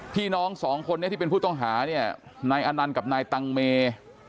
พี่น้องสองคนนี้ที่เป็นผู้ต้องหาเนี่ยนายอนันต์กับนายตังเม